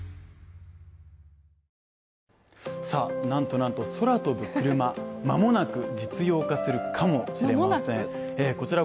なんとなんと、空飛ぶクルマ、間もなく実用化するかもしれません。